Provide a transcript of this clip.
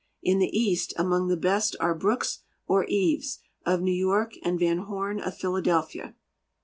In the east, among the best are Brooks or Eaves, of New York, and Van Horn of Philadelphia.